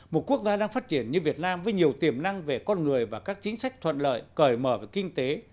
một quốc gia đang phát triển như việt nam với nhiều tiềm năng về con người và các chính sách thuận lợi cởi mở về kinh tế